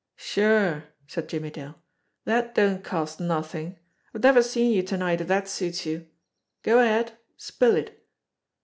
"Sure!" said Jimmie Dale. "That don't cost nothing. I've never seen you to night, if that suits you. Go ahead! Spill it!"